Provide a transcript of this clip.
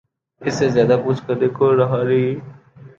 اس سے زیادہ کچھ کرنے کو رہا نہیں۔